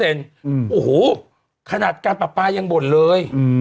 โอ้โหขนาดการปรับปลายังบ่นเลย